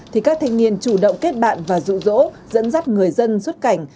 thì các thanh niên chủ động kết bạn và rụ rỗ dẫn dắt người dân xuất cảnh